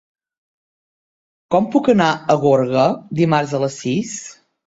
Com puc anar a Gorga dimarts a les sis?